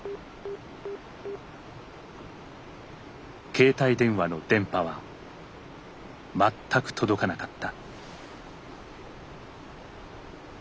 携帯電話の電波は全く届かなかった。